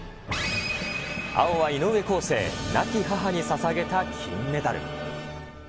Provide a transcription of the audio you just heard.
青は、井上康生、亡き母にささげた金メダル。